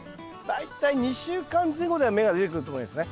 大体２週間前後では芽が出てくると思いますね。